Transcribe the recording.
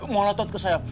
mau latot ke saya